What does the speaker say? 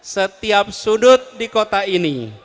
setiap sudut di kota ini